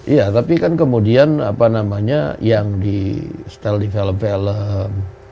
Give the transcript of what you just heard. iya tapi kan kemudian apa namanya yang di style di film film